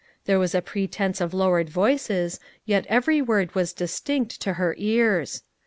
There was a pretense of lowered voices, yet every word was distinct to her ears.